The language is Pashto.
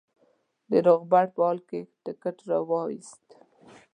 د روغبړ په حال کې ټکټ را وایست.